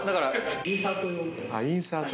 インサート用。